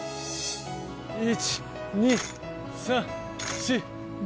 １・２・３４・５。